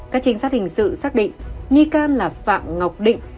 các trinh sát hình sự xác định nghi can là phạm ngọc định